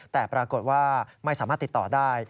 แต่ปรากฏว่าไม่สามารถติดต่อได้